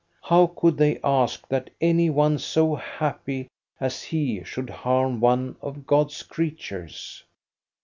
How could they ask that any one so happy as he should harm one of God's creatures?